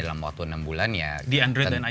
dalam waktu enam bulan ya di android dan ios